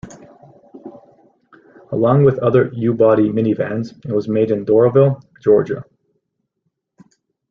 Along with other U body minivans, it was made in Doraville, Georgia.